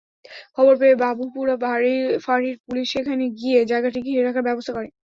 খবর পেয়ে বাবুপুরা ফাঁড়ির পুলিশ সেখানে গিয়ে জায়গাটি ঘিরে রাখার ব্যবস্থা করে।